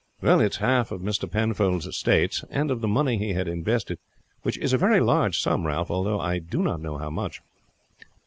"It is half of Mr. Penfold's estates, and of the money he had invested, which is a very large sum, Ralph; although I do not know how much."